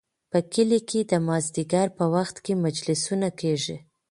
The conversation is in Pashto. په کلي کې د مازدیګر په وخت کې مجلسونه کیږي.